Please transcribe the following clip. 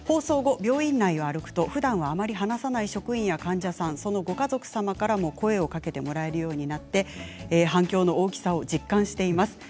病院内を歩くと、ふだんはあまり話さない職員や患者さんそのご家族様からも声をかけてもらえるようになって反響の大きさを実感しています。